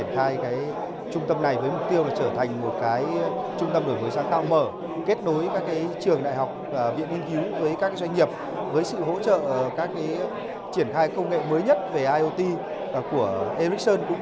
trung tâm đổi mới sáng tạo về internet vạn vật iot innovation hub